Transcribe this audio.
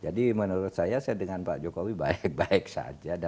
jadi menurut saya saya dengan pak jokowi baik baik saja